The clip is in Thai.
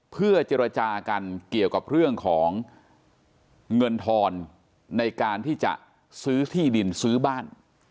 เพื่อเจรจากันเกี่ยวกับเรื่องของเงินทอนในการที่จะซื้อที่ดินซื้อบ้าน